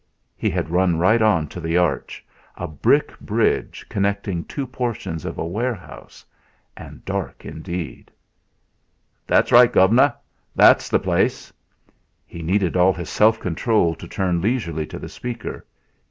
He had run right on to the arch, a brick bridge connecting two portions of a warehouse, and dark indeed. "That's right, gov'nor! That's the place!" He needed all his self control to turn leisurely to the speaker.